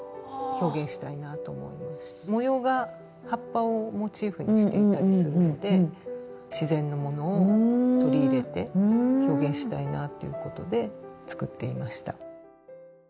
模様が葉っぱをモチーフにしていたりするので自然のものを取り入れて表現したいなっていうことで作っていました。